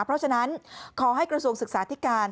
เพราะฉะนั้นขอให้กระทรวงศึกษาธิการ